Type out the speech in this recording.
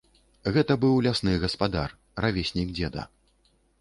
Гэта быў лясны гаспадар, равеснік дзеда.